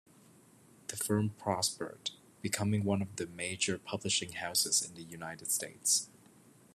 The firm prospered, becoming one of the major publishing houses in the United States.